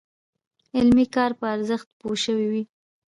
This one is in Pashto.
علمي کار په ارزښت پوه شوي وي.